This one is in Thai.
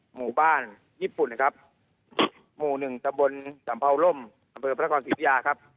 หมู่บ้านญี่ปุ่นนะครับหมู่หนึ่งตะบนสำเภาล่มอำเภอพระกรศิริยาครับ